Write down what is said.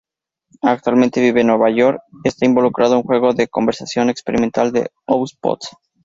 Actualmente, vive en Nueva York y está involucrado en juego de conversación experimental "Outpost".